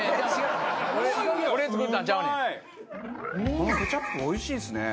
このケチャップおいしいですね。